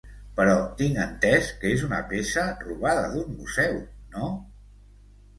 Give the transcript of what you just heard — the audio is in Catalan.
Però tinc entès que és una peça robada d'un museu, no?